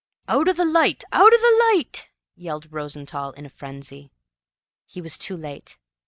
"Out o' the light out o' the light!" yelled Rosenthall in a frenzy. He was too late.